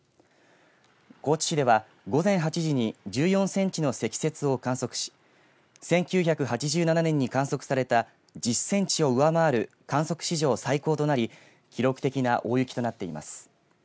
高知市では、午前８時に１４センチの積雪を観測し１９８７年に観測された１０センチを上回る観測史上、最高となり記録的な大雪となっています。